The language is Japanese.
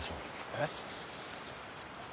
えっ。